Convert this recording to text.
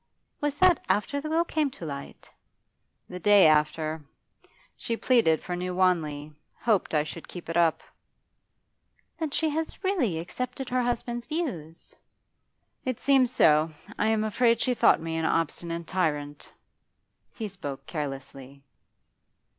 'Was that after the will came to light?' 'The day after. She pleaded for New Wanley hoped I should keep it up.' 'Then she has really accepted her husband's views?' 'It seems so. I am afraid she thought me an obstinate tyrant.' He spoke carelessly.